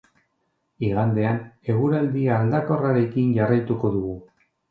Igandean eguraldi aldakorrarekin jarraituko dugu.